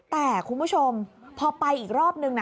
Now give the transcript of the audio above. แต่คุณผู้ชมพอไปอีกรอบนึงนะ